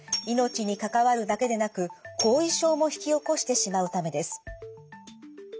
命に関わるだけでなく後遺症も引き起こしてしまうためです。